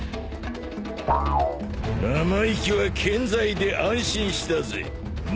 生意気は健在で安心したぜ麦わら。